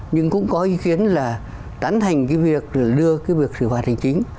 nhưng cũng có ý kiến là tán hành cái việc đưa cái việc xử phạt hình chính